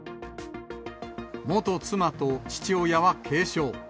元妻と父親は軽傷。